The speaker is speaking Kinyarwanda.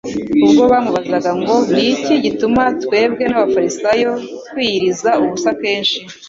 ubwo bamubazaga ngo "Ni iki gituma twebwe n'abafarisayo twiyiriza ubusa kenshi,